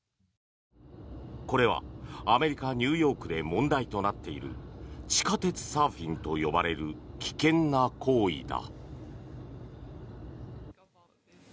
これはアメリカ・ニューヨークで問題となっている地下鉄サーフィンと呼ばれる危険な行為だ。